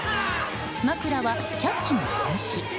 枕はキャッチも禁止。